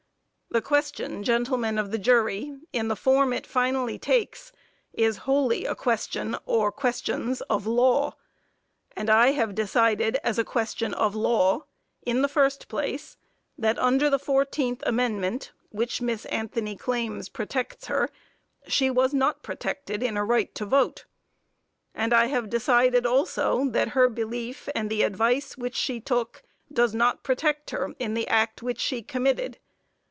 The question, gentlemen of the jury, in the form it finally takes, is wholly a question or questions of law, and I have decided as a question of law, in the first place, that under the 14th Amendment, which Miss Anthony claims protects her, she was not protected in a right to vote. And I have decided also that her belief and the advice which she took does not protect her in the act which she committed.